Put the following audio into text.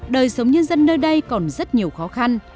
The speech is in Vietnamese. đời sống nhân dân nơi đây còn rất nhiều khó khăn